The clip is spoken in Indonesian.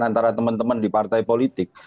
antara teman teman di partai politik